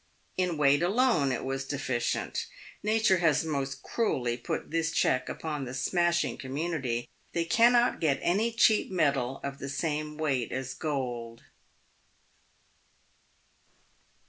In weight alone it was deficient. Nature has most cruelly put this check upon the smashing community — they cannot get any cheap metal of the same weight as gold.